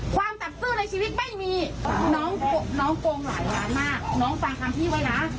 ความตับซื่อในชีวิตไม่มีน้องโกงหลายล้านมากน้องฟังทางพี่ไว้นะ